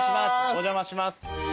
お邪魔します。